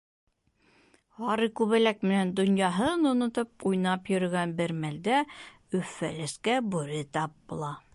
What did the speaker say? Һары күбәләк менән донъяһын онотоп уйнап йөрөгән бер мәлдә Өф-Фәләскә бүре тап була.